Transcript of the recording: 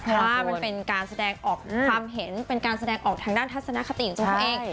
เพราะว่ามันเป็นการแสดงออกความเห็นเป็นการแสดงออกทางด้านทัศนคติของตัวเขาเอง